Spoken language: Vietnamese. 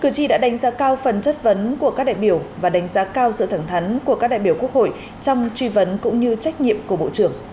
cử tri đã đánh giá cao phần chất vấn của các đại biểu và đánh giá cao sự thẳng thắn của các đại biểu quốc hội trong truy vấn cũng như trách nhiệm của bộ trưởng